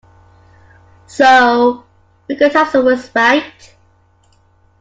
So we could have some respite.